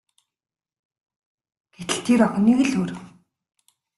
Гэтэл тэр охин нэг л өөр.